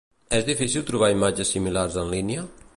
És difícil trobar imatges similars en línia?